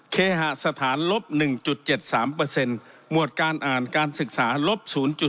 เคหสถานลบ๑๗๓หมวดการอ่านการศึกษาลบ๐๘